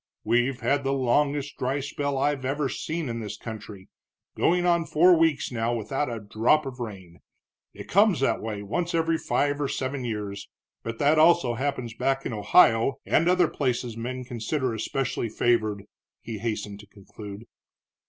"We've had the longest dry spell I've ever seen in this country going on four weeks now without a drop of rain. It comes that way once every five or seven years, but that also happens back in Ohio and other places men consider especially favored," he hastened to conclude.